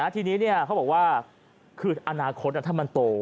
ทีนี้เขาบอกว่าคืออนาคตถ้ามันโต